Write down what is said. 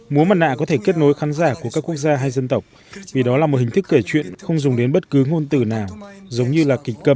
múa mặt nạ có thể kết nối khán giả của các quốc gia hay dân tộc vì đó là một hình thức kể chuyện không dùng đến bất cứ ngôn từ nào giống như là kịch cầm